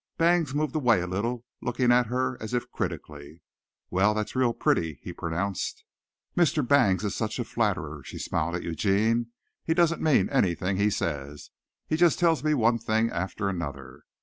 Bangs moved away a little, looking at her as if critically. "Well, that's really pretty," he pronounced. "Mr. Bangs is such a flatterer," she smiled at Eugene. "He doesn't mean any thing he says. He just tells me one thing after another."